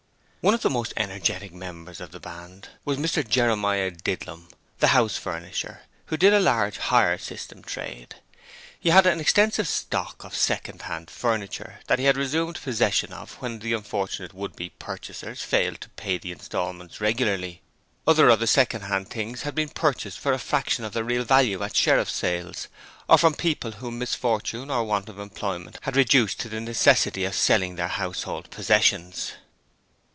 One of the most energetic members of the Band was Mr Jeremiah Didlum, the house furnisher, who did a large hire system trade. He had an extensive stock of second hand furniture that he had resumed possession of when the unfortunate would be purchasers failed to pay the instalments regularly. Other of the second hand things had been purchased for a fraction of their real value at Sheriff's sales or from people whom misfortune or want of employment had reduced to the necessity of selling their household possessions.